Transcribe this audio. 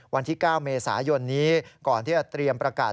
วันที่๙เมษายนนี้ก่อนที่จะเตรียมประกาศ